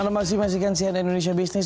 halo masi masikan sian indonesia business